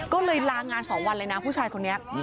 ก็เลยลางาน๒วันเลยนะผู้ชายคนนี้